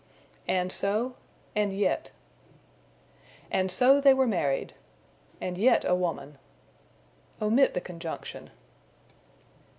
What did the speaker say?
And so. And yet. "And so they were married." "And yet a woman." Omit the conjunction.